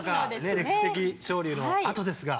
歴史的勝利のあとですが。